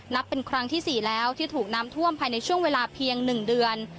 นับเป็นครั้งที่๔แล้วที่ถูกน้ำท่วมภายในช่วงเวลาเพียง๑เดือน